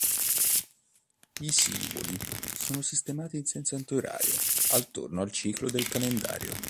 I simboli sono sistemati in senso antiorario attorno al ciclo del calendario.